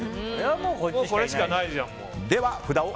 これしかないじゃん。